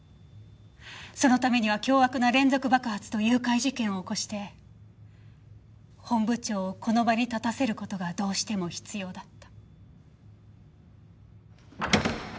そのためには凶悪な連続爆発と誘拐事件を起こして本部長をこの場に立たせる事がどうしても必要だった。